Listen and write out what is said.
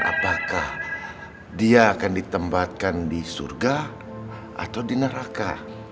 apakah dia akan ditempatkan di surga atau di neraka